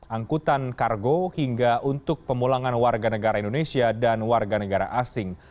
angkutan kargo hingga untuk pemulangan warga negara indonesia dan warga negara asing